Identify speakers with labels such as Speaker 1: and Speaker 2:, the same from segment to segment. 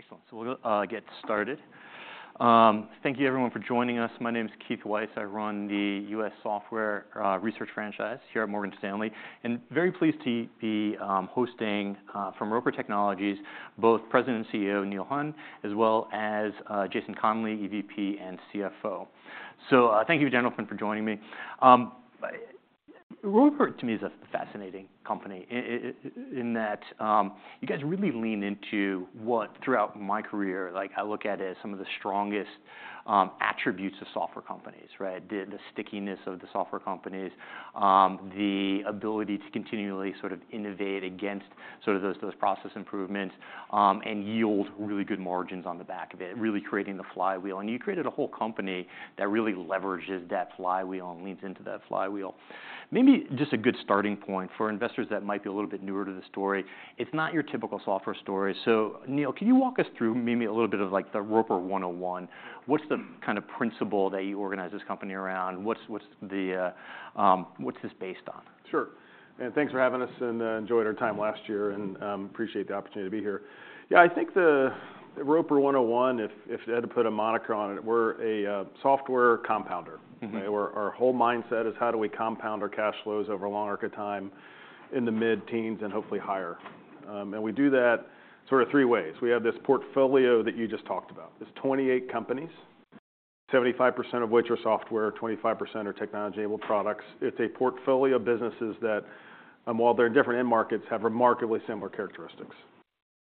Speaker 1: Excellent. So we'll get started. Thank you everyone for joining us. My name's Keith Weiss. I run the U.S. software research franchise here at Morgan Stanley. And very pleased to be hosting from Roper Technologies both President and CEO Neil Hunn, as well as Jason Conley, EVP and CFO. So, thank you, gentlemen, for joining me. Roper, to me, is a fascinating company, in that you guys really lean into what, throughout my career, like, I look at as some of the strongest attributes of software companies, right? The stickiness of the software companies, the ability to continually sort of innovate against sort of those process improvements, and yield really good margins on the back of it, really creating the flywheel. And you created a whole company that really leverages that flywheel and leans into that flywheel. Maybe just a good starting point for investors that might be a little bit newer to the story. It's not your typical software story. So, Neil, can you walk us through maybe a little bit of, like, the Roper 101? What's the kind of principle that you organize this company around? What's this based on?
Speaker 2: Sure. Thanks for having us. Enjoyed our time last year. Appreciate the opportunity to be here. Yeah, I think the Roper 101, if I had to put a moniker on it, we're a software compounder, right? Our whole mindset is how do we compound our cash flows over a long arc of time in the mid-teens and hopefully higher. We do that sort of three ways. We have this portfolio that you just talked about. It's 28 companies, 75% of which are software, 25% of which are technology-enabled products. It's a portfolio of businesses that, while they're in different end markets, have remarkably similar characteristics.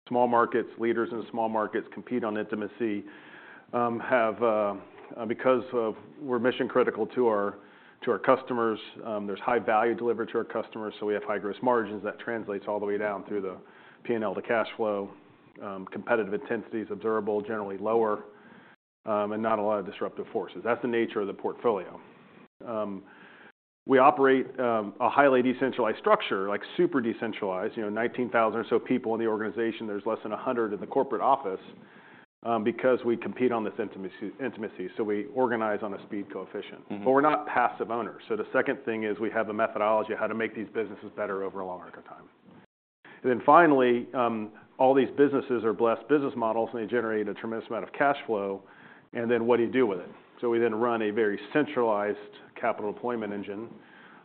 Speaker 2: Small markets, leaders in small markets compete on intimacy, have because we're mission-critical to our customers. There's high value delivered to our customers. So we have high gross margins that translates all the way down through the P&L to cash flow, competitive intensities observable, generally lower, and not a lot of disruptive forces. That's the nature of the portfolio. We operate a highly decentralized structure, like super decentralized, you know, 19,000 or so people in the organization. There's less than 100 in the corporate office, because we compete on this intimacy. So we organize on a speed coefficient. But we're not passive owners. So the second thing is we have a methodology of how to make these businesses better over a long arc of time. And then finally, all these businesses are blessed business models, and they generate a tremendous amount of cash flow. And then what do you do with it? We then run a very centralized capital deployment engine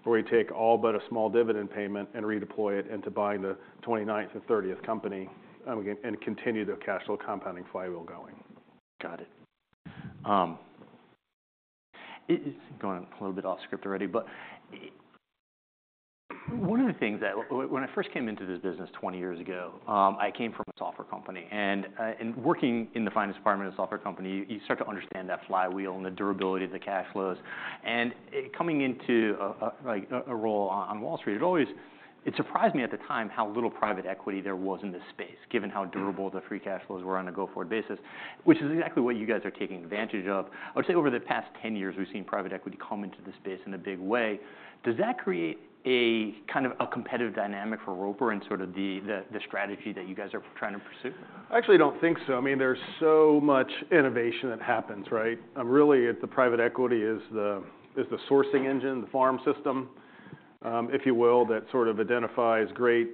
Speaker 2: where we take all but a small dividend payment and redeploy it into buying the 29th and 30th company, and continue the cash flow compounding flywheel going.
Speaker 1: Got it. It's going a little bit off-script already. But one of the things that when I first came into this business 20 years ago, I came from a software company. And working in the finance department of a software company, you start to understand that flywheel and the durability of the cash flows. And coming into, like, a role on Wall Street, it always surprised me at the time how little private equity there was in this space, given how durable the free cash flows were on a go-forward basis, which is exactly what you guys are taking advantage of. I would say over the past 10 years, we've seen private equity come into this space in a big way. Does that create a kind of a competitive dynamic for Roper and sort of the strategy that you guys are trying to pursue?
Speaker 2: I actually don't think so. I mean, there's so much innovation that happens, right? I'm really at the private equity is the sourcing engine, the farm system, if you will, that sort of identifies great,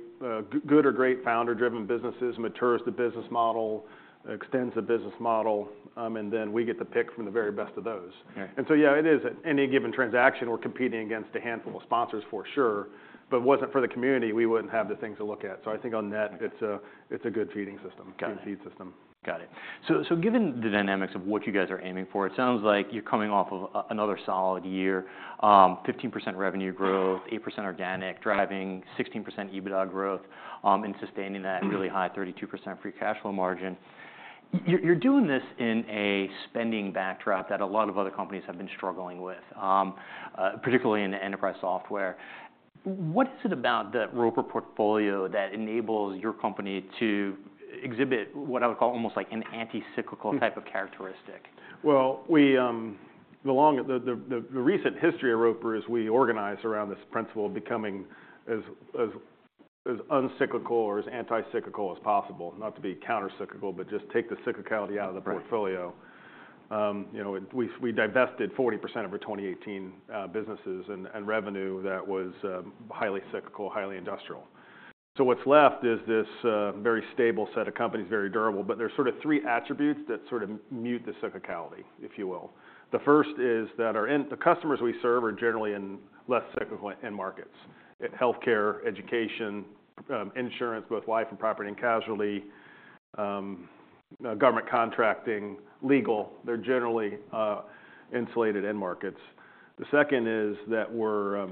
Speaker 2: good or great founder-driven businesses, matures the business model, extends the business model, and then we get the pick from the very best of those. And so, yeah, it is. At any given transaction, we're competing against a handful of sponsors for sure. But wasn't for the community, we wouldn't have the things to look at. So I think on net, it's a good feeding system, good feed system.
Speaker 1: Got it. So, so given the dynamics of what you guys are aiming for, it sounds like you're coming off of another solid year, 15% revenue growth, 8% organic, driving 16% EBITDA growth, and sustaining that really high 32% free cash flow margin. You're doing this in a spending backdrop that a lot of other companies have been struggling with, particularly in enterprise software. What is it about the Roper portfolio that enables your company to exhibit what I would call almost like an anti-cyclical type of characteristic?
Speaker 2: Well, the recent history of Roper is we organize around this principle of becoming as uncyclical or as anti-cyclical as possible, not to be counter-cyclical, but just take the cyclicality out of the portfolio. You know, we divested 40% of our 2018 businesses and revenue that was highly cyclical, highly industrial. So what's left is this very stable set of companies, very durable. But there's sort of three attributes that sort of mute the cyclicality, if you will. The first is that our end customers we serve are generally in less cyclical end markets: healthcare, education, insurance, both life and property and casualty, government contracting, legal. They're generally insulated end markets. The second is that we're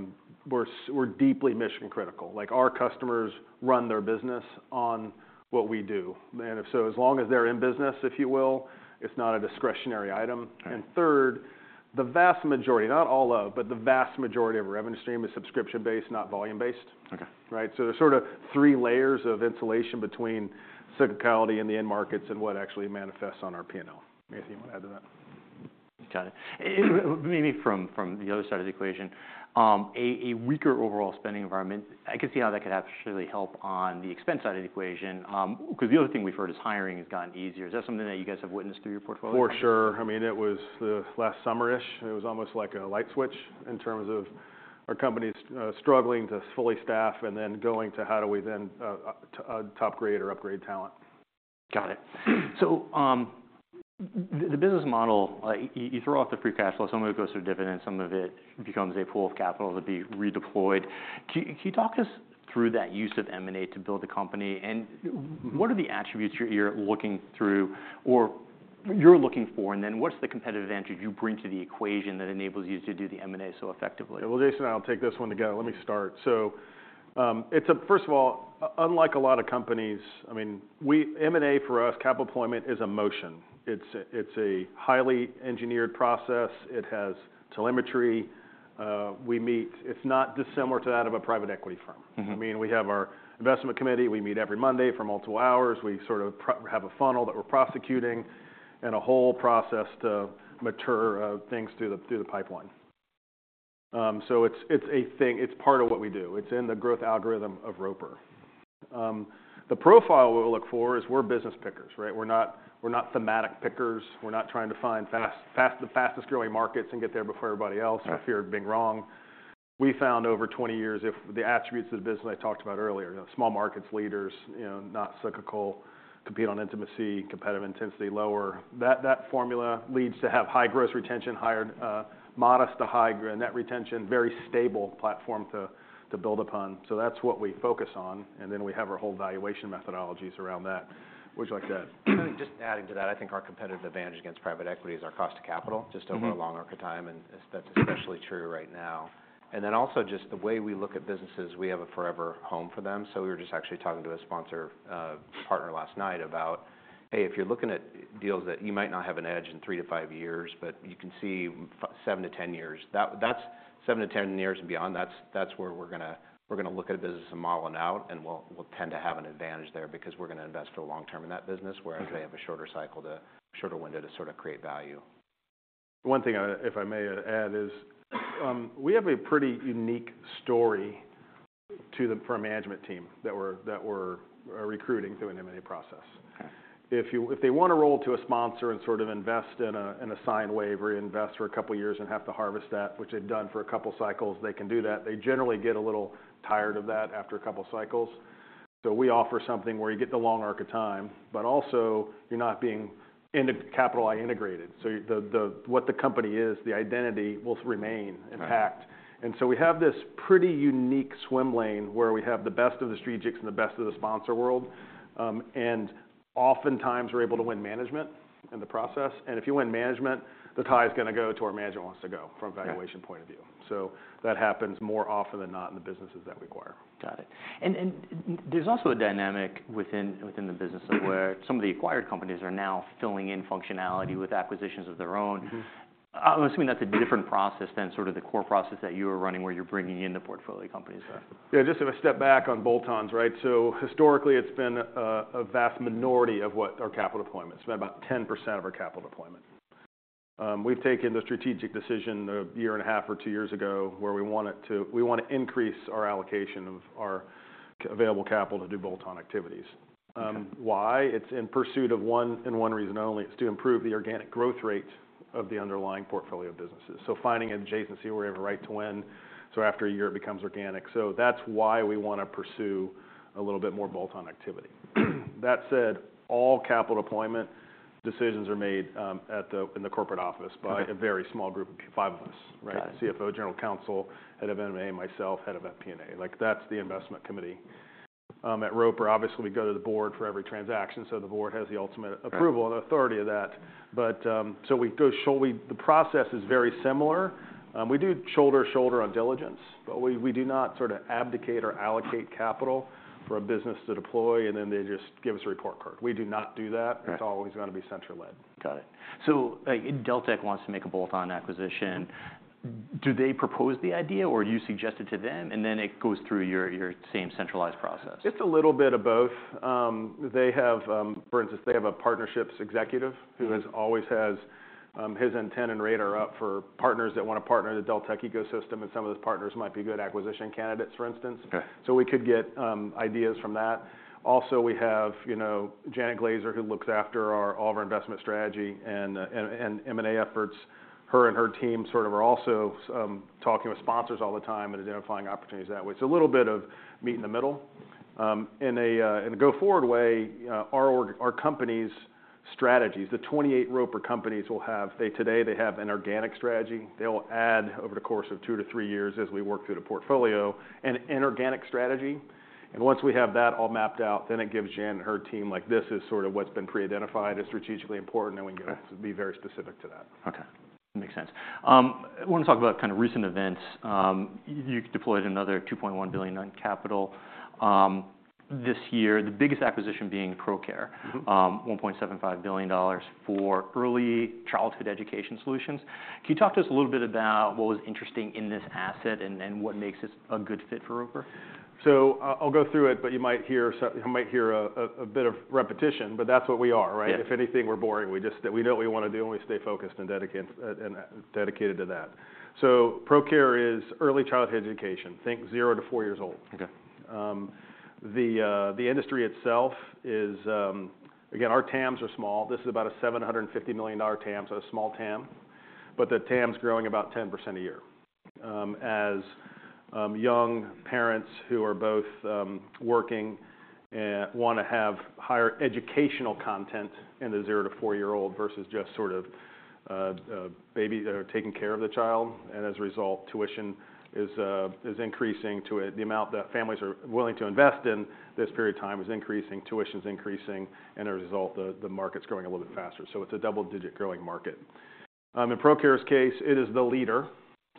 Speaker 2: deeply mission-critical. Like, our customers run their business on what we do. And if so, as long as they're in business, if you will, it's not a discretionary item. And third, the vast majority, not all of, but the vast majority of our revenue stream is subscription-based, not volume-based, right? So there's sort of three layers of insulation between cyclicality and the end markets and what actually manifests on our P&L. I don't know if you want to add to that.
Speaker 1: Got it. Maybe from the other side of the equation, a weaker overall spending environment, I can see how that could actually help on the expense side of the equation, because the other thing we've heard is hiring has gotten easier. Is that something that you guys have witnessed through your portfolio?
Speaker 2: For sure. I mean, it was the last summer-ish. It was almost like a light switch in terms of our companies struggling to fully staff and then going to how do we then, top-grade or upgrade talent.
Speaker 1: Got it. So, the business model, you throw off the free cash flow. Some of it goes to dividends. Some of it becomes a pool of capital to be redeployed. Can you talk us through that use of M&A to build the company? And what are the attributes you're looking through or you're looking for? And then what's the competitive advantage you bring to the equation that enables you to do the M&A so effectively?
Speaker 2: Well, Jason, I'll take this one together. Let me start. So, it's first of all, unlike a lot of companies, I mean, we M&A, for us, capital deployment is a motion. It's a highly engineered process. It has telemetry. We meet. It's not dissimilar to that of a private equity firm. I mean, we have our investment committee. We meet every Monday for multiple hours. We sort of have a funnel that we're prosecuting and a whole process to mature things through the pipeline. So it's, it's a thing. It's part of what we do. It's in the growth algorithm of Roper. The profile we look for is we're business pickers, right? We're not we're not thematic pickers. We're not trying to find fast, fast, the fastest-growing markets and get there before everybody else for fear of being wrong. We found over 20 years, if the attributes of the business I talked about earlier, you know, small markets, leaders, you know, not cyclical, compete on intimacy, competitive intensity lower, that, that formula leads to have high gross retention, higher, modest to high net retention, very stable platform to build upon. So that's what we focus on. And then we have our whole valuation methodologies around that. What would you like to add?
Speaker 1: I think just adding to that, I think our competitive advantage against private equity is our cost of capital just over a long arc of time. And that's especially true right now. And then also just the way we look at businesses, we have a forever home for them. So we were just actually talking to a sponsor, partner last night about, hey, if you're looking at deals that you might not have an edge in 3-5 years, but you can see 7-10 years, that's 7-10 years and beyond, that's, that's where we're going to we're going to look at a business and model it out. And we'll, we'll tend to have an advantage there because we're going to invest for the long term in that business, whereas they have a shorter cycle to shorter window to sort of create value.
Speaker 2: One thing, if I may add, is we have a pretty unique story for our management team that we're recruiting through an M&A process. If they want to roll to a sponsor and sort of invest in a sideways or invest for a couple of years and have to harvest that, which they've done for a couple of cycles, they can do that. They generally get a little tired of that after a couple of cycles. So we offer something where you get the long arc of time, but also you're not being capital-integrated. So what the company is, the identity, will remain intact. And so we have this pretty unique swim lane where we have the best of the strategics and the best of the sponsor world. And oftentimes, we're able to win management in the process. If you win management, the tie is going to go to where management wants to go from a valuation point of view. That happens more often than not in the businesses that we acquire.
Speaker 1: Got it. And there's also a dynamic within the business of where some of the acquired companies are now filling in functionality with acquisitions of their own. I'm assuming that's a different process than sort of the core process that you are running where you're bringing in the portfolio companies there.
Speaker 2: Yeah, just to step back on bolt-ons, right? So historically, it's been a vast minority of what our capital deployment. It's been about 10% of our capital deployment. We've taken the strategic decision a year and a half or two years ago where we want to increase our allocation of our available capital to do bolt-on activities. Why? It's in pursuit of one and one reason only. It's to improve the organic growth rate of the underlying portfolio of businesses. So finding an adjacency where we have a right to win so after a year, it becomes organic. So that's why we want to pursue a little bit more bolt-on activity. That said, all capital deployment decisions are made in the corporate office by a very small group of five of us, right? CFO, general counsel, head of M&A, myself, head of FP&A. Like, that's the investment committee. At Roper, obviously, we go to the board for every transaction. So the board has the ultimate approval and authority of that. But, so we go shoulder-to-shoulder. The process is very similar. We do shoulder-to-shoulder on diligence. But we, we do not sort of abdicate or allocate capital for a business to deploy, and then they just give us a report card. We do not do that. It's always going to be center-led.
Speaker 1: Got it. So, like, Deltek wants to make a bolt-on acquisition. Do they propose the idea, or do you suggest it to them, and then it goes through your, your same centralized process?
Speaker 2: It's a little bit of both. They have, for instance, a partnerships executive who always has his antenna and radar up for partners that want to partner with the Deltek ecosystem. And some of those partners might be good acquisition candidates, for instance. So we could get ideas from that. Also, we have, you know, Janet Glazer, who looks after all of our investment strategy and M&A efforts. Her and her team sort of are also talking with sponsors all the time and identifying opportunities that way. So a little bit of meet in the middle. In a go-forward way, our organization, our companies' strategies, the 28 Roper companies we have today, they have an organic strategy. They'll add over the course of 2-3 years as we work through the portfolio an inorganic strategy. Once we have that all mapped out, then it gives Jan and her team, like, this is sort of what's been pre-identified as strategically important, and we can be very specific to that.
Speaker 1: Okay. Makes sense. I want to talk about kind of recent events. You deployed another $2.1 billion in capital this year, the biggest acquisition being Procare, $1.75 billion for early childhood education solutions. Can you talk to us a little bit about what was interesting in this asset and what makes it a good fit for Roper?
Speaker 2: So I'll go through it, but you might hear some you might hear a bit of repetition. But that's what we are, right? If anything, we're boring. We just we know what we want to do, and we stay focused and dedicated to that. So Procare is early childhood education. Think zero to four years old. The industry itself is, again, our TAMs are small. This is about a $750 million TAM, so a small TAM. But the TAM's growing about 10% a year. As young parents who are both working and want to have higher educational content in the zero to four-year-old versus just sort of baby or taking care of the child, and as a result, tuition is increasing to it. The amount that families are willing to invest in this period of time is increasing. Tuition's increasing. As a result, the market's growing a little bit faster. So it's a double-digit growing market. In Procare's case, it is the leader.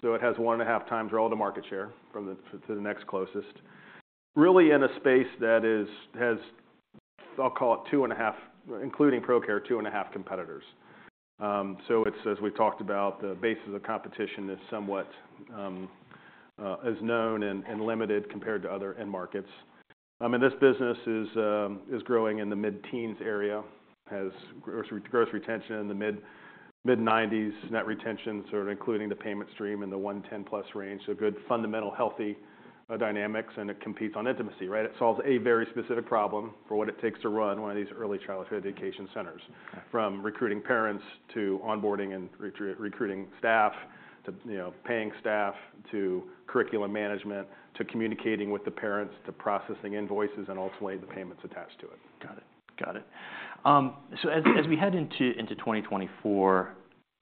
Speaker 2: So it has 1.5x relative market share from the to the next closest, really in a space that is has I'll call it 2.5 including Procare, 2.5 competitors. So it's, as we've talked about, the basis of competition is somewhat, is known and limited compared to other end markets. This business is, is growing in the mid-teens area, has growth retention in the mid-90s, net retention sort of including the payment stream in the 110+ range, so good fundamental, healthy dynamics. It competes on intimacy, right? It solves a very specific problem for what it takes to run one of these early childhood education centers, from recruiting parents to onboarding and recruiting staff to, you know, paying staff to curriculum management to communicating with the parents to processing invoices and ultimately the payments attached to it.
Speaker 1: Got it. Got it. So as we head into 2024,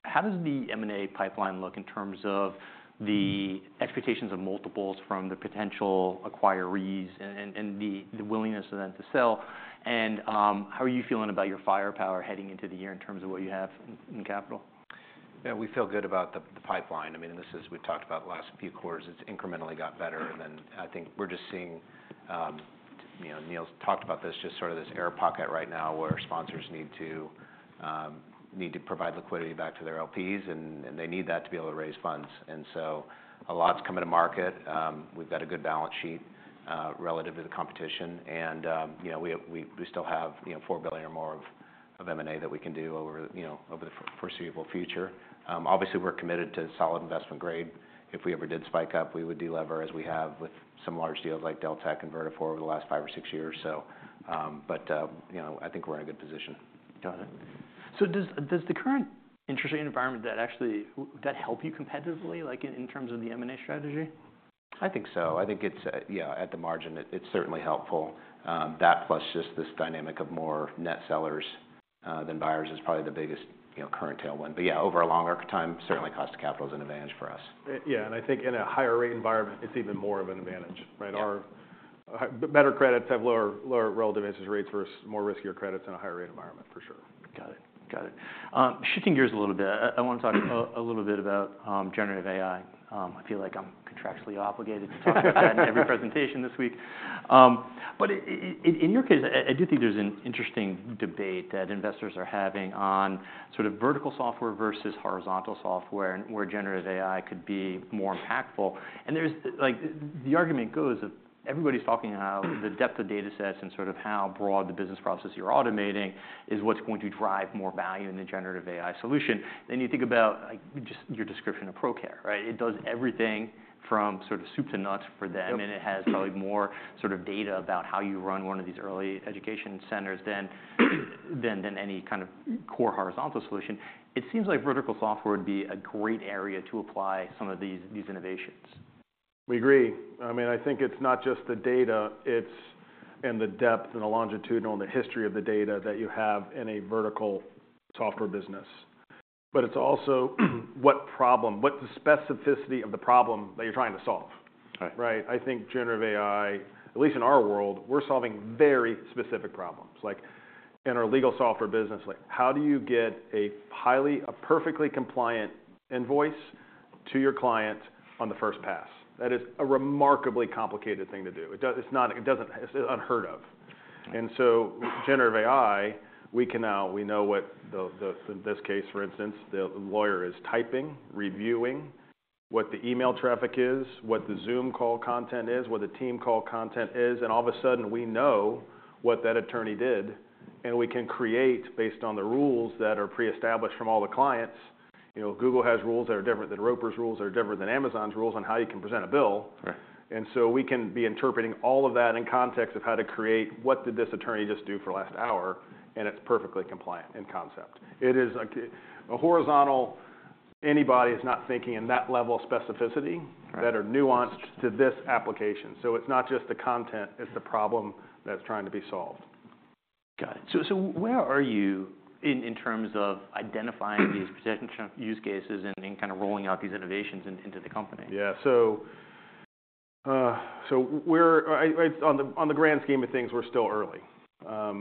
Speaker 1: how does the M&A pipeline look in terms of the expectations of multiples from the potential acquirees and the willingness of them to sell? And, how are you feeling about your firepower heading into the year in terms of what you have in capital?
Speaker 3: Yeah, we feel good about the pipeline. I mean, and this is we've talked about the last few quarters. It's incrementally got better. And then I think we're just seeing, you know, Neil's talked about this, just sort of this air pocket right now where sponsors need to, need to provide liquidity back to their LPs. And they need that to be able to raise funds. And so a lot's coming to market. We've got a good balance sheet, relative to the competition. And, you know, we still have, you know, $4 billion or more of M&A that we can do over, you know, over the foreseeable future. Obviously, we're committed to solid investment grade. If we ever did spike up, we would de-lever as we have with some large deals like Deltek and Vertafore over the last 5 or 6 years. You know, I think we're in a good position.
Speaker 1: Got it. So does the current interest rate environment, that actually would that help you competitively, like, in terms of the M&A strategy?
Speaker 3: I think so. I think it's, yeah, at the margin. It's certainly helpful. That plus just this dynamic of more net sellers than buyers is probably the biggest, you know, current tailwind. But yeah, over a long arc of time, certainly cost of capital is an advantage for us.
Speaker 2: Yeah. I think in a higher-rate environment, it's even more of an advantage, right? Our better credits have lower, lower relative interest rates versus more riskier credits in a higher-rate environment, for sure.
Speaker 1: Got it. Got it. Shifting gears a little bit, I want to talk a little bit about generative AI. I feel like I'm contractually obligated to talk about that in every presentation this week. But in your case, I do think there's an interesting debate that investors are having on sort of vertical software versus horizontal software and where generative AI could be more impactful. And there's, like, the argument goes of everybody's talking about the depth of data sets and sort of how broad the business process you're automating is what's going to drive more value in the generative AI solution. Then you think about, like, just your description of Procare, right? It does everything from sort of soup to nuts for them. And it has probably more sort of data about how you run one of these early education centers than any kind of core horizontal solution. It seems like vertical software would be a great area to apply some of these innovations.
Speaker 2: We agree. I mean, I think it's not just the data. It's the depth and the longitudinal and the history of the data that you have in a vertical software business. But it's also what the specificity of the problem that you're trying to solve, right? I think generative AI, at least in our world, we're solving very specific problems. Like, in our legal software business, like, how do you get a highly perfectly compliant invoice to your client on the first pass? That is a remarkably complicated thing to do. It doesn't. It's not. It doesn't. It's unheard of. And so generative AI, we can now know what, in this case, for instance, the lawyer is typing, reviewing what the email traffic is, what the Zoom call content is, what the team call content is. All of a sudden, we know what that attorney did. We can create, based on the rules that are pre-established from all the clients, you know, Google has rules that are different than Roper's rules, that are different than Amazon's rules on how you can present a bill. So we can be interpreting all of that in context of how to create what did this attorney just do for the last hour? It's perfectly compliant in concept. It is a horizontal anybody is not thinking in that level of specificity that are nuanced to this application. So it's not just the content. It's the problem that's trying to be solved.
Speaker 1: Got it. So where are you in terms of identifying these protection use cases and kind of rolling out these innovations into the company?
Speaker 2: Yeah. So, we're on the grand scheme of things, we're still early.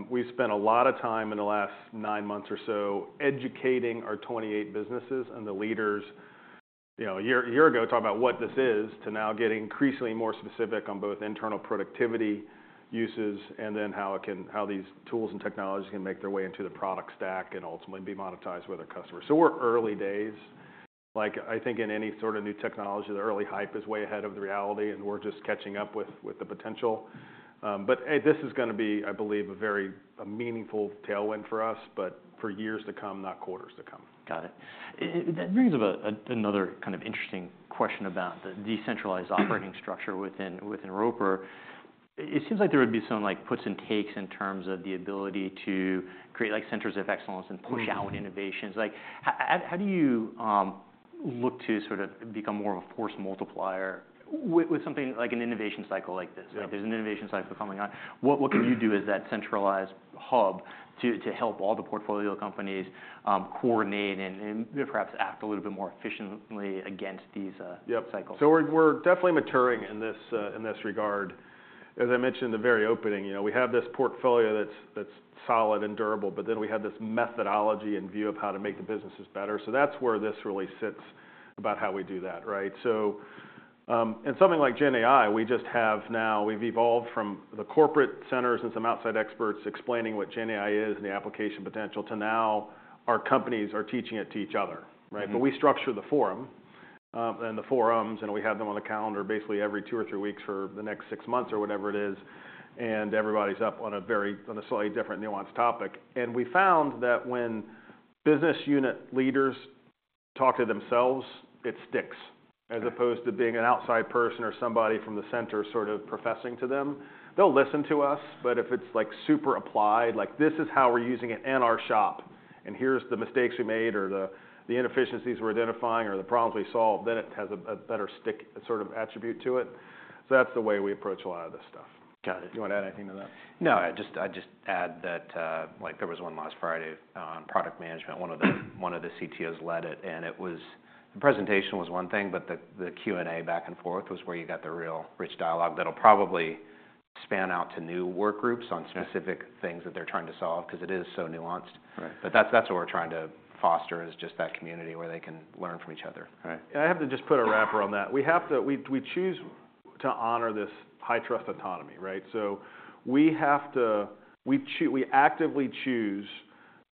Speaker 2: We've spent a lot of time in the last nine months or so educating our 28 businesses and the leaders, you know, a year ago talking about what this is to now get increasingly more specific on both internal productivity uses and then how it can these tools and technologies can make their way into the product stack and ultimately be monetized with our customers. So we're early days. Like, I think in any sort of new technology, the early hype is way ahead of the reality. And we're just catching up with the potential. But this is going to be, I believe, a very meaningful tailwind for us, but for years to come, not quarters to come.
Speaker 1: Got it. That brings up another kind of interesting question about the decentralized operating structure within Roper. It seems like there would be some, like, puts and takes in terms of the ability to create, like, centers of excellence and push out innovations. Like, how do you look to sort of become more of a force multiplier with something like an innovation cycle like this? Like, there's an innovation cycle coming on. What can you do as that centralized hub to help all the portfolio companies coordinate and perhaps act a little bit more efficiently against these cycles?
Speaker 2: Yeah. So we're definitely maturing in this regard. As I mentioned in the very opening, you know, we have this portfolio that's solid and durable. But then we have this methodology and view of how to make the businesses better. So that's where this really sits about how we do that, right? So, in something like GenAI, we just have now we've evolved from the corporate centers and some outside experts explaining what GenAI is and the application potential to now our companies are teaching it to each other, right? But we structure the forum and the forums. And we have them on the calendar basically every two or three weeks for the next six months or whatever it is. And everybody's up on a very slightly different, nuanced topic. We found that when business unit leaders talk to themselves, it sticks as opposed to being an outside person or somebody from the center sort of professing to them. They'll listen to us. But if it's, like, super applied, like, this is how we're using it in our shop, and here's the mistakes we made or the inefficiencies we're identifying or the problems we solved, then it has a better stick sort of attribute to it. So that's the way we approach a lot of this stuff.
Speaker 1: Got it. You want to add anything to that?
Speaker 3: No. I just add that, like, there was one last Friday on product management. One of the CTOs led it. And it was the presentation was one thing. But the Q&A back and forth was where you got the real rich dialogue that'll probably span out to new workgroups on specific things that they're trying to solve because it is so nuanced. But that's what we're trying to foster is just that community where they can learn from each other.
Speaker 2: Right. And I have to just put a wrapper on that. We have to choose to honor this high-trust autonomy, right? So we have to actively choose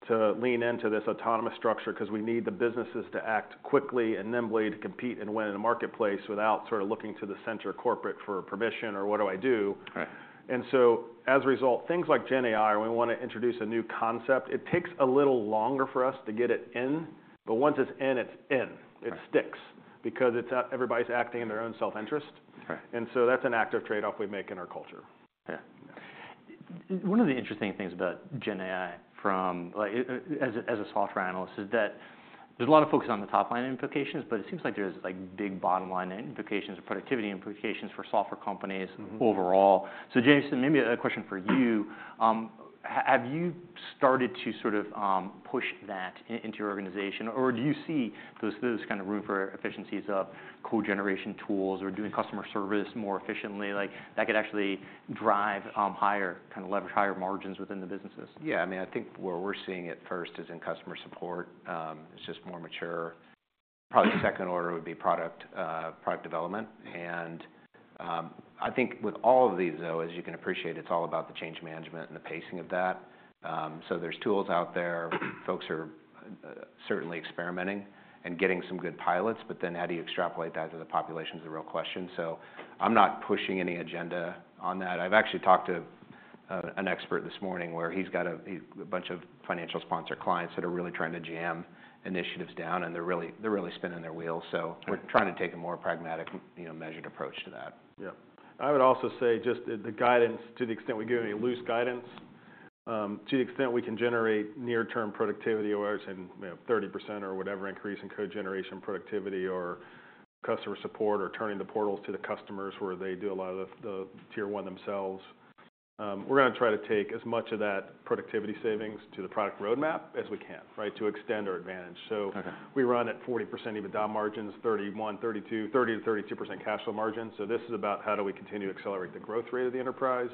Speaker 2: to lean into this autonomous structure because we need the businesses to act quickly and nimbly to compete and win in a marketplace without sort of looking to the center corporate for permission or, "What do I do?" And so as a result, things like GenAI, when we want to introduce a new concept, it takes a little longer for us to get it in. But once it's in, it's in. It sticks because everybody's acting in their own self-interest. And so that's an active trade-off we make in our culture.
Speaker 3: Yeah.
Speaker 1: One of the interesting things about GenAI from, like, as a software analyst is that there's a lot of focus on the top-line implications. But it seems like there's, like, big bottom-line implications or productivity implications for software companies overall. So Jason, maybe a question for you. Have you started to sort of push that into your organization? Or do you see those kind of room for efficiencies of code generation tools or doing customer service more efficiently? Like, that could actually drive higher kind of leverage, higher margins within the businesses?
Speaker 3: Yeah. I mean, I think where we're seeing it first is in customer support. It's just more mature. Probably second order would be product development. And I think with all of these, though, as you can appreciate, it's all about the change management and the pacing of that. So there's tools out there. Folks are certainly experimenting and getting some good pilots. But then how do you extrapolate that to the population is the real question. So I'm not pushing any agenda on that. I've actually talked to an expert this morning where he's got a bunch of financial sponsor clients that are really trying to jam initiatives down. And they're really spinning their wheels. So we're trying to take a more pragmatic, measured approach to that.
Speaker 2: Yeah. I would also say just the guidance to the extent we give any loose guidance, to the extent we can generate near-term productivity or, say, 30% or whatever increase in code generation productivity or customer support or turning the portals to the customers where they do a lot of the tier one themselves, we're going to try to take as much of that productivity savings to the product roadmap as we can, right, to extend our advantage. So we run at 40% EBITDA margins, 31%, 32%, 30%-32% cash flow margins. So this is about how do we continue to accelerate the growth rate of the enterprise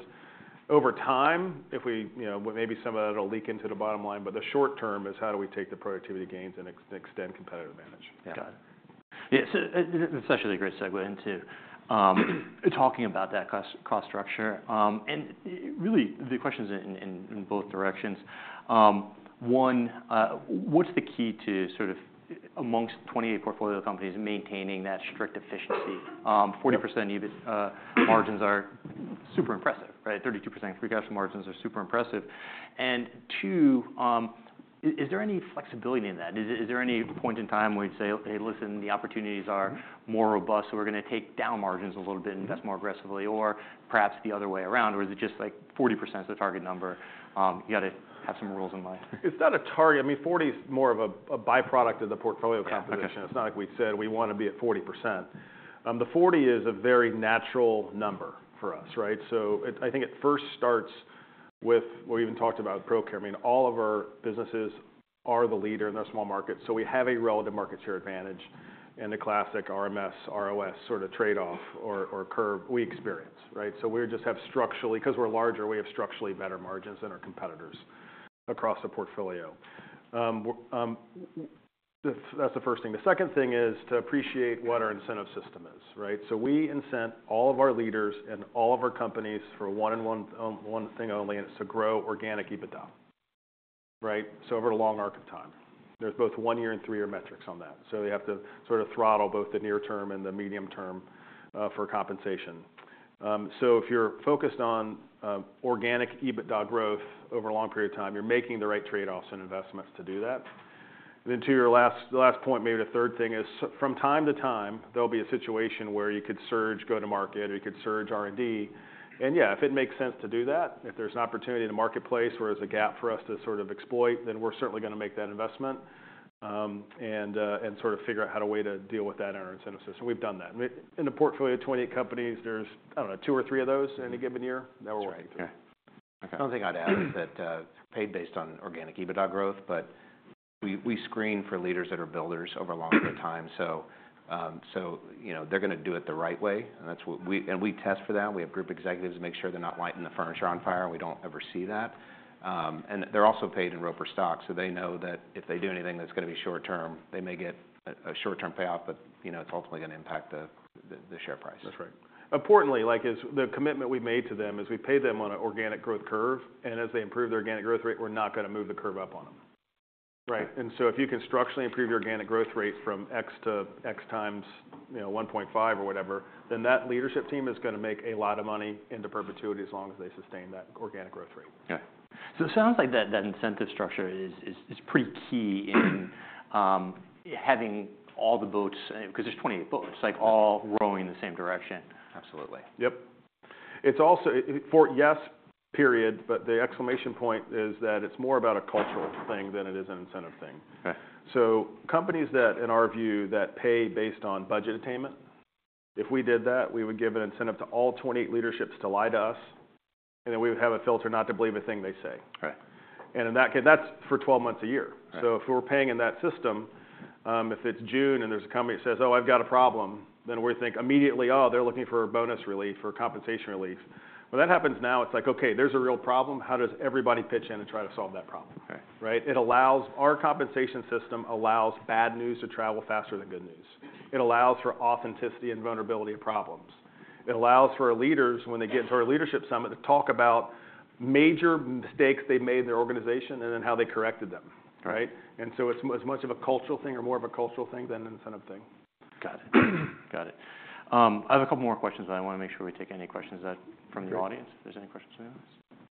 Speaker 2: over time if we, you know, maybe some of that'll leak into the bottom line. But the short term is how do we take the productivity gains and extend competitive advantage.
Speaker 1: Got it. Yeah. So it's actually a great segue into talking about that cost structure. And really, the question is in both directions. One, what's the key to sort of, amongst 28 portfolio companies, maintaining that strict efficiency? 40% EBITDA margins are super impressive, right? 32% free cash flow margins are super impressive. And two, is there any flexibility in that? Is there any point in time where you'd say, "Hey, listen, the opportunities are more robust. So we're going to take down margins a little bit and invest more aggressively"? Or perhaps the other way around? Or is it just, like, 40% is the target number? You got to have some rules in mind.
Speaker 2: It's not a target. I mean, 40% is more of a byproduct of the portfolio composition. It's not like we'd said, "We want to be at 40%." The 40% is a very natural number for us, right? So I think it first starts with what we even talked about with Procare. I mean, all of our businesses are the leader. And they're a small market. So we have a relative market share advantage in the classic RMS, ROS sort of trade-off or curve we experience, right? So we just have structurally because we're larger, we have structurally better margins than our competitors across the portfolio. That's the first thing. The second thing is to appreciate what our incentive system is, right? So we incent all of our leaders and all of our companies for one and one thing only. And it's to grow organic EBITDA, right, so over a long arc of time. There's both 1-year and 3-year metrics on that. So you have to sort of throttle both the near-term and the medium-term for compensation. So if you're focused on organic EBITDA growth over a long period of time, you're making the right trade-offs and investments to do that. Then to your last point, maybe the third thing is, from time to time, there'll be a situation where you could surge go-to-market or you could surge R&D. And yeah, if it makes sense to do that, if there's an opportunity in the marketplace where there's a gap for us to sort of exploit, then we're certainly going to make that investment and sort of figure out a way to deal with that in our incentive system. We've done that. In the portfolio of 28 companies, there's, I don't know, two or three of those in a given year that we're working through.
Speaker 3: One thing I'd add is that paid based on organic EBITDA growth. But we screen for leaders that are builders over a long period of time. So, you know, they're going to do it the right way. And that's what we and we test for that. We have group executives to make sure they're not lighting the furniture on fire. And we don't ever see that. And they're also paid in Roper stock. So they know that if they do anything that's going to be short-term, they may get a short-term payout. But, you know, it's ultimately going to impact the share price.
Speaker 2: That's right. Importantly, like, is the commitment we've made to them is we pay them on an organic growth curve. As they improve their organic growth rate, we're not going to move the curve up on them, right? So if you can structurally improve your organic growth rate from X to X times, you know, 1.5 or whatever, then that leadership team is going to make a lot of money into perpetuity as long as they sustain that organic growth rate.
Speaker 1: Yeah. So it sounds like that incentive structure is pretty key in having all the boats because there's 28 boats, like, all rowing in the same direction.
Speaker 3: Absolutely.
Speaker 2: Yep. It's also for yes, period. But the exclamation point is that it's more about a cultural thing than it is an incentive thing. So companies that, in our view, pay based on budget attainment, if we did that, we would give an incentive to all 28 leaderships to lie to us. And then we would have a filter not to believe a thing they say. And in that case, that's for 12 months a year. So if we're paying in that system, if it's June and there's a company that says, "Oh, I've got a problem," then we think immediately, "Oh, they're looking for bonus relief or compensation relief." When that happens now, it's like, "OK, there's a real problem. How does everybody pitch in and try to solve that problem?" Right? It allows. Our compensation system allows bad news to travel faster than good news. It allows for authenticity and vulnerability of problems. It allows for our leaders, when they get into our leadership summit, to talk about major mistakes they made in their organization and then how they corrected them, right? And so it's as much of a cultural thing or more of a cultural thing than an incentive thing.
Speaker 1: Got it. Got it. I have a couple more questions. But I want to make sure we take any questions from the audience. If there's any questions from anyone else.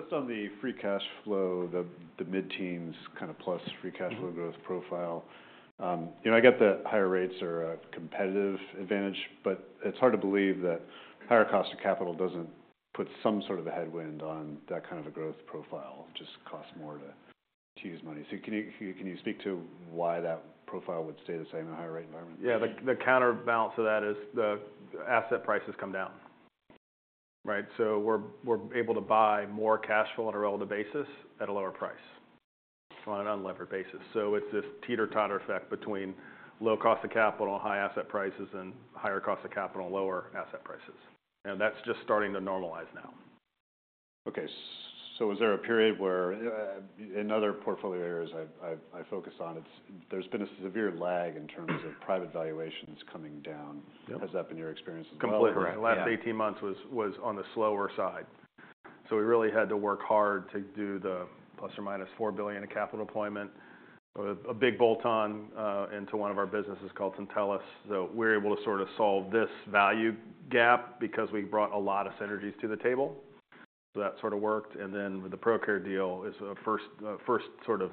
Speaker 4: Just on the free cash flow, the mid-teens kind of plus free cash flow growth profile, you know, I get that higher rates are a competitive advantage. But it's hard to believe that higher cost of capital doesn't put some sort of a headwind on that kind of a growth profile. It just costs more to use money. So can you speak to why that profile would stay the same in a higher-rate environment?
Speaker 2: Yeah. The counterbalance to that is the asset prices come down, right? So we're able to buy more cash flow on a relative basis at a lower price on an unlevered basis. So it's this teeter-totter effect between low cost of capital, high asset prices, and higher cost of capital, lower asset prices. And that's just starting to normalize now.
Speaker 4: OK. Is there a period where in other portfolio areas I focus on, there's been a severe lag in terms of private valuations coming down? Has that been your experience as well?
Speaker 2: Completely right. The last 18 months was on the slower side. So we really had to work hard to do the ±$4 billion in capital deployment, a big bolt-on into one of our businesses called Syntellis. So we're able to sort of solve this value gap because we brought a lot of synergies to the table. So that sort of worked. And then with the Procare deal, it's a first sort of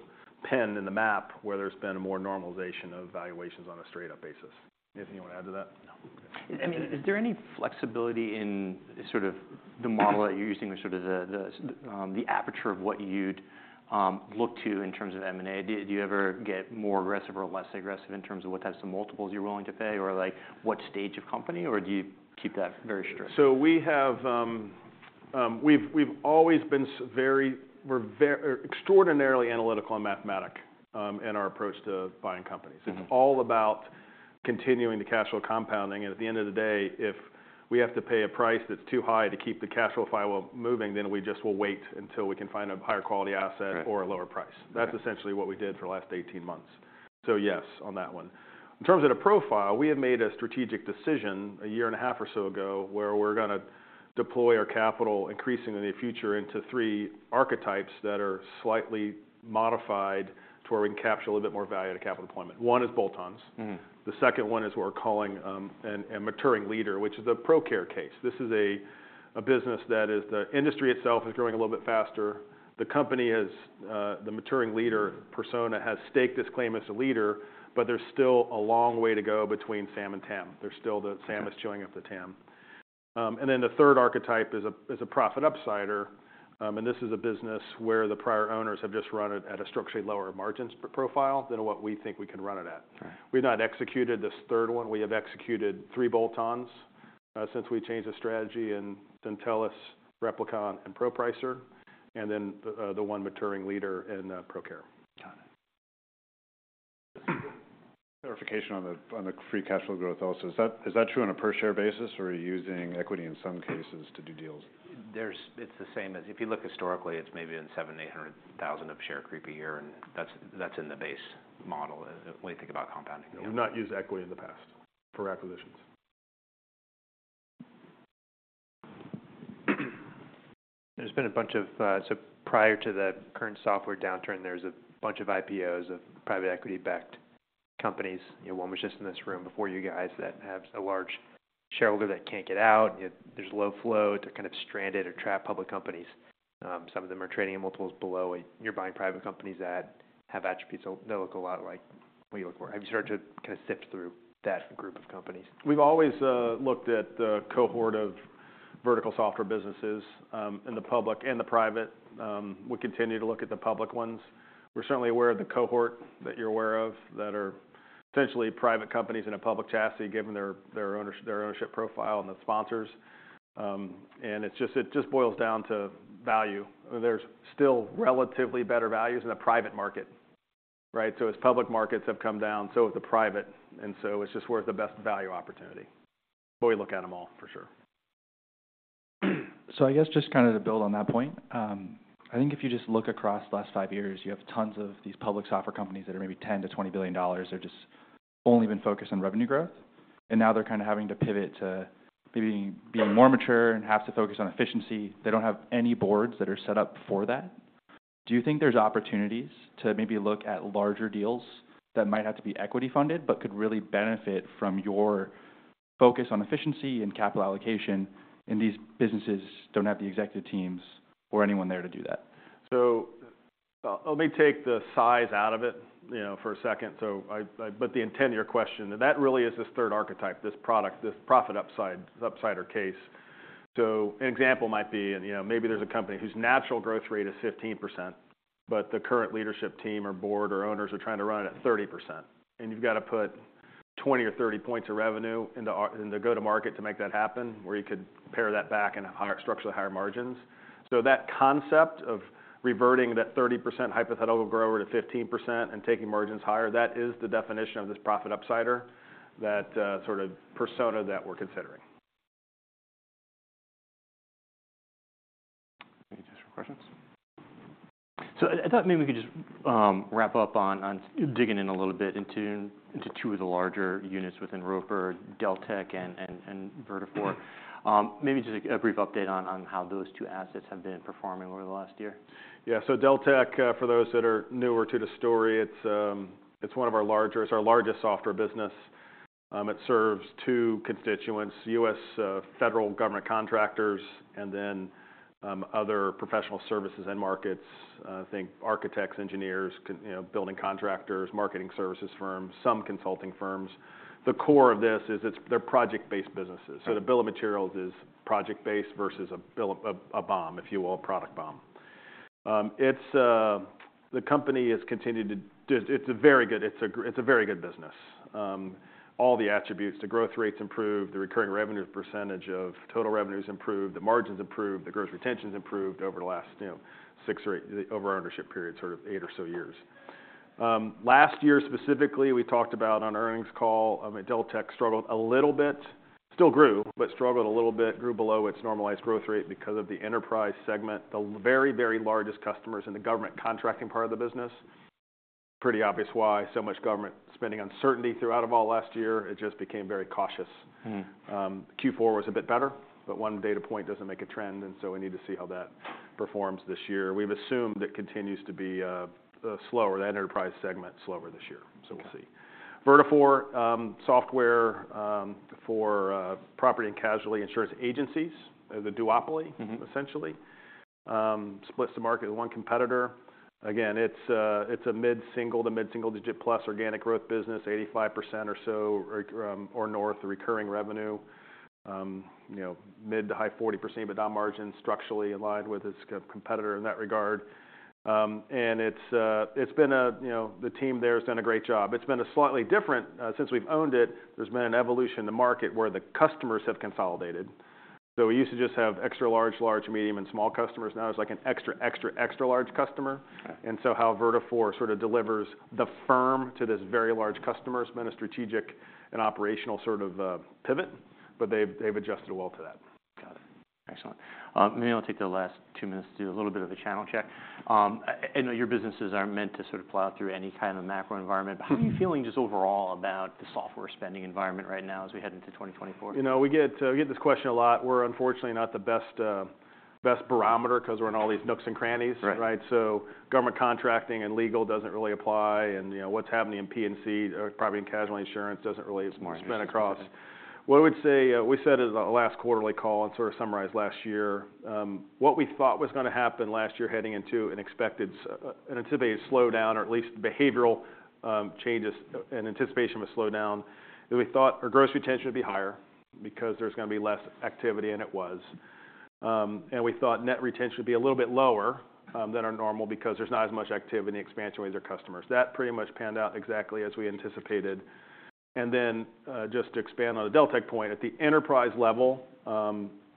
Speaker 2: pin in the map where there's been more normalization of valuations on a straight-up basis. Anything you want to add to that?
Speaker 3: No.
Speaker 1: I mean, is there any flexibility in sort of the model that you're using or sort of the aperture of what you'd look to in terms of M&A? Do you ever get more aggressive or less aggressive in terms of what types of multiples you're willing to pay or, like, what stage of company? Or do you keep that very strict?
Speaker 2: So we've always been extraordinarily analytical and mathematical in our approach to buying companies. It's all about continuing the cash flow compounding. At the end of the day, if we have to pay a price that's too high to keep the cash flow flywheel moving, then we just will wait until we can find a higher-quality asset or a lower price. That's essentially what we did for the last 18 months. So yes, on that one. In terms of the profile, we have made a strategic decision a year and a half or so ago where we're going to deploy our capital increasingly in the future into three archetypes that are slightly modified to where we can capture a little bit more value out of capital deployment. One is bolt-ons. The second one is what we're calling a maturing leader, which is the Procare case. This is a business that is the industry itself is growing a little bit faster. The company has the maturing leader persona has staked this claim as the leader. But there's still a long way to go between SAM and TAM. There's still the SAM is chewing up the TAM. And then the third archetype is a profit upsider. And this is a business where the prior owners have just run it at a structurally lower margins profile than what we think we can run it at. We've not executed this third one. We have executed three bolt-ons since we changed the strategy in Syntellis, Replicon, and ProPricer, and then the one maturing leader in Procare.
Speaker 1: Got it.
Speaker 4: Verification on the free cash flow growth also. Is that true on a per-share basis? Or are you using equity in some cases to do deals?
Speaker 3: It's the same as if you look historically, it's maybe been 700,000, 800,000 of share creep a year. That's in the base model when you think about compounding.
Speaker 2: We've not used equity in the past for acquisitions.
Speaker 1: There's been a bunch of prior to the current software downturn, there's a bunch of IPOs of private equity-backed companies. One was just in this room before you guys that have a large shareholder that can't get out. There's low float. They're kind of stranded or trapped public companies. Some of them are trading in multiples below what you're buying private companies at have attributes that look a lot like what you look for. Have you started to kind of sift through that group of companies?
Speaker 2: We've always looked at the cohort of vertical software businesses in the public and the private. We continue to look at the public ones. We're certainly aware of the cohort that you're aware of that are essentially private companies in a public chassis given their ownership profile and the sponsors. It just boils down to value. There's still relatively better values in the private market, right? As public markets have come down, so have the private. It's just worth the best value opportunity. We look at them all for sure.
Speaker 1: So I guess just kind of to build on that point, I think if you just look across the last five years, you have tons of these public software companies that are maybe $10-$20 billion. They've just only been focused on revenue growth. And now they're kind of having to pivot to maybe being more mature and have to focus on efficiency. They don't have any boards that are set up for that. Do you think there's opportunities to maybe look at larger deals that might have to be equity-funded but could really benefit from your focus on efficiency and capital allocation in these businesses that don't have the executive teams or anyone there to do that?
Speaker 2: So let me take the size out of it, you know, for a second. So but the intent of your question, that really is this third archetype, this product, this profit upsider case. So an example might be, you know, maybe there's a company whose natural growth rate is 15%. But the current leadership team or board or owners are trying to run it at 30%. And you've got to put 20% or 30% points of revenue into go-to-market to make that happen where you could pare that back and have structurally higher margins. So that concept of reverting that 30% hypothetical grower to 15% and taking margins higher, that is the definition of this profit upsider, that sort of persona that we're considering.
Speaker 4: Any additional questions?
Speaker 1: I thought maybe we could just wrap up on digging in a little bit into two of the larger units within Roper, Deltek, and Vertafore. Maybe just a brief update on how those two assets have been performing over the last year.
Speaker 2: Yeah. So Deltek, for those that are newer to the story, it's one of our largest software businesses. It serves two constituents: U.S. federal government contractors and then other professional services and markets. I think architects, engineers, building contractors, marketing services firms, some consulting firms. The core of this is they're project-based businesses. So the bill of materials is project-based versus a BOM, if you will, a product BOM. The company has continued to. It's a very good business. All the attributes: the growth rates improved, the recurring revenue percentage of total revenues improved, the margins improved, the gross retentions improved over the last, you know, 6 or 8 over our ownership period, sort of 8 or so years. Last year specifically, we talked about on earnings call, I mean, Deltek struggled a little bit, still grew, but struggled a little bit, grew below its normalized growth rate because of the enterprise segment, the very, very largest customers in the government contracting part of the business. Pretty obvious why. So much government spending uncertainty throughout all of last year, it just became very cautious. Q4 was a bit better. But one data point doesn't make a trend. And so we need to see how that performs this year. We've assumed it continues to be slower, that enterprise segment slower this year. So we'll see. Vertafore, software for property and casualty insurance agencies. They're the duopoly, essentially, split the market with one competitor. Again, it's a mid-single- to mid-single-digit plus organic growth business, 85% or so or north of recurring revenue, you know, mid- to high 40%, but down margins structurally aligned with its competitor in that regard. It's been a, you know, the team there has done a great job. It's been a slightly different since we've owned it; there's been an evolution in the market where the customers have consolidated. So we used to just have extra large, large, medium, and small customers. Now it's like an extra, extra, extra large customer. And so how Vertafore sort of delivers the firm to this very large customer has been a strategic and operational sort of pivot. But they've adjusted well to that.
Speaker 1: Got it. Excellent. Maybe I'll take the last two minutes to do a little bit of a channel check. I know your businesses aren't meant to sort of plow through any kind of macro environment. But how are you feeling just overall about the software spending environment right now as we head into 2024?
Speaker 2: You know, we get this question a lot. We're unfortunately not the best barometer because we're in all these nooks and crannies, right? So government contracting and legal doesn't really apply. And what's happening in P&C, property and casualty insurance, doesn't really spin across. What I would say we said at the last quarterly call and sort of summarized last year, what we thought was going to happen last year heading into an expected an anticipated slowdown or at least behavioral changes in anticipation of a slowdown is we thought our gross retention would be higher because there's going to be less activity. And it was. And we thought net retention would be a little bit lower than our normal because there's not as much activity and expansion with our customers. That pretty much panned out exactly as we anticipated. Then just to expand on the Deltek point, at the enterprise level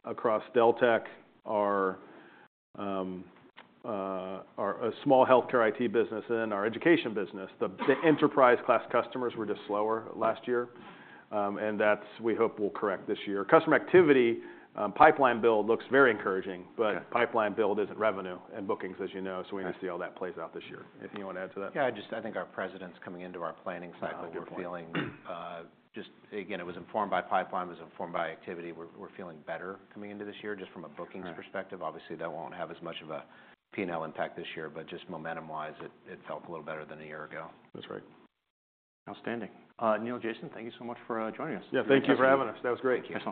Speaker 2: across Deltek, our small health care IT business and our education business, the enterprise-class customers were just slower last year. That's we hope will correct this year. Customer activity pipeline build looks very encouraging. Pipeline build isn't revenue and bookings, as you know. We need to see how that plays out this year. Anything you want to add to that?
Speaker 3: Yeah. I just I think our presidents coming into our planning cycle, we're feeling just again, it was informed by pipeline, was informed by activity. We're feeling better coming into this year just from a bookings perspective. Obviously, that won't have as much of a P&L impact this year. But just momentum-wise, it felt a little better than a year ago.
Speaker 2: That's right.
Speaker 1: Outstanding. Neil, Jason, thank you so much for joining us.
Speaker 2: Yeah. Thank you for having us. That was great.